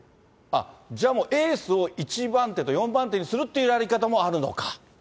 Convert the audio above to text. じゃあ、もうエースを１番手と４番手にするっていうやり方もあるのか。